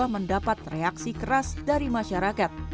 mendapat reaksi keras dari masyarakat